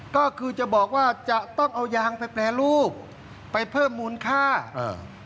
ก็คือจะบอกว่าจะต้องเอายางไปแปรรูปไปเพิ่มมูลค่าอ่า